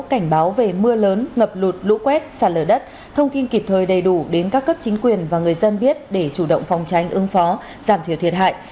cảnh báo về mưa lớn ngập lụt lũ quét sạt lở đất thông tin kịp thời đầy đủ đến các cấp chính quyền và người dân biết để chủ động phòng tranh ứng phó giảm thiểu thiệt hại